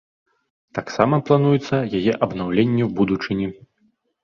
Таксама плануецца яе абнаўленне ў будучыні.